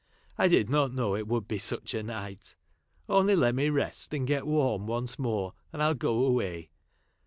I did not know it would be such a night. Only let me rest and get warm once more, andil'lligo' away.